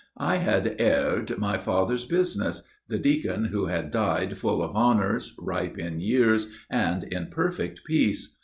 I had heired my father's business, the deacon, who had died full of honors, ripe in years, and in perfect peace.